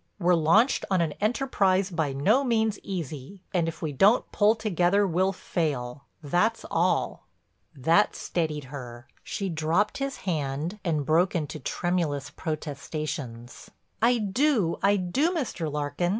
We're launched on an enterprise by no means easy and if we don't pull together we'll fail, that's all." That steadied her. She dropped his hand and broke into tremulous protestations: "I do, I do, Mr. Larkin.